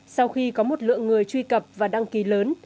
sau khi có một lượng người truy cập và đăng ký lớn